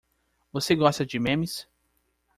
Você gosta de memes?